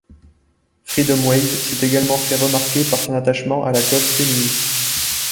Freedomways s'est également fait remarquer par son attachement à la cause féministe.